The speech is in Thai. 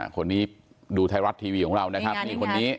คนนี้ดูไทยรัฐทีวีของเรานะครับนี่คนนี้